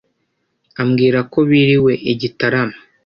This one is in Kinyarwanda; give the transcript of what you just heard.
Ambwira ko biriwe i Gitarama